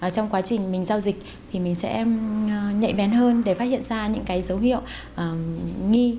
trong quá trình mình giao dịch thì mình sẽ nhạy bén hơn để phát hiện ra những cái dấu hiệu nghi